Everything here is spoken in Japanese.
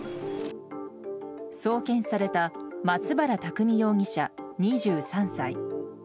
送検された松原拓海容疑者、２３歳。